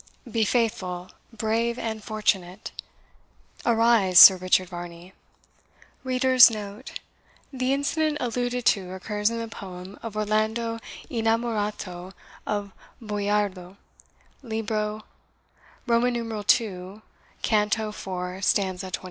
Be Faithful, Brave, and Fortunate. Arise, Sir Richard Varney." [The incident alluded to occurs in the poem of Orlando Innamorato of Boiardo, libro ii. canto 4, stanza 25.